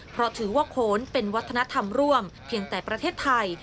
เพราะถือว่าโขนเป็นวัฒนธรรมร่วมเพียงแต่ประเทศไทย